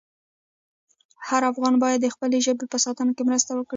هر افغان باید د خپلې ژبې په ساتنه کې مرسته وکړي.